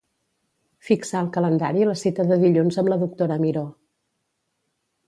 Fixar al calendari la cita de dilluns amb la doctora Miró.